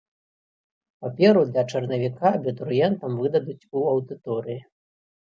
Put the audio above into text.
Паперу для чарнавіка абітурыентам выдадуць у аўдыторыі.